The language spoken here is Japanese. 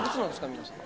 皆さん。